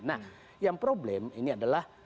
nah yang problem ini adalah